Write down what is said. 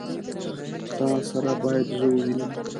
تا سره بايد زه ووينم.